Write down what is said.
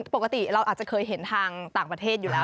ปกติเราอาจจะเคยเห็นทางต่างประเทศอยู่แล้ว